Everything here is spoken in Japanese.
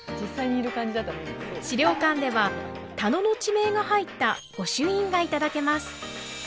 資料館では田能の地名が入った御朱印が頂けます。